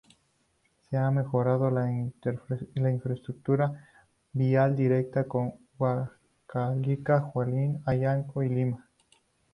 Se ha mejorado la infraestructura vial directa con Huancavelica, Junín, Ayacucho y Lima.